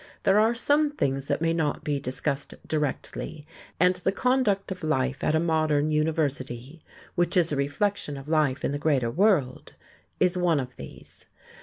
There are some things that may not be discussed directly, and the conduct of life at a modern university which is a reflection of life in the greater world is one of these.